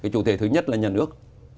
chủ thể thứ nhất là nhà nước